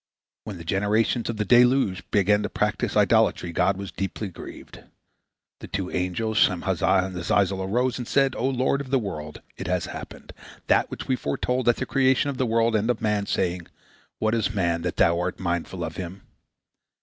When the generation of the deluge began to practice idolatry, God was deeply grieved. The two angels Shemhazai and Azazel arose, and said: "O Lord of the world! It has happened, that which we foretold at the creation of the world and of man, saying, 'What is man, that Thou art mindful of him?'"